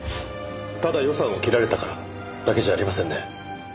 ただ予算を切られたからだけじゃありませんね？